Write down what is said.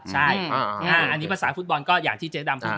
ใช่อ่าอันนี้ภาษาฟุตบอลก็อย่างที่เจ๊ดำฟุตการณ์